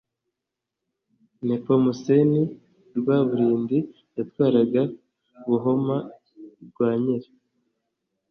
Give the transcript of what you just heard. Nepomuseni Rwaburindi yatwaraga BuhomaRwankeri